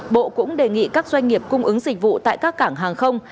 bộ cũng đề nghị các doanh nghiệp cung ứng dịch vụ tại các cảng hàng không